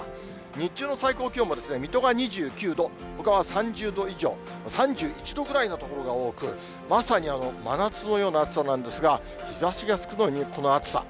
日中の最高気温も水戸が２９度、ほかは３０度以上、３１度ぐらいの所が多く、まさに真夏のような暑さなんですが、日ざしが少ないのにこの暑さ。